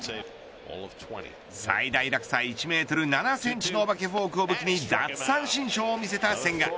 最大落差１メートル７センチのお化けフォークを武器に奪三振ショーを見せた千賀。